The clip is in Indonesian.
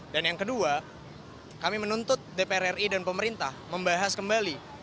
dan yang kedua kami menuntut dpr ri dan pemerintah membahas kembali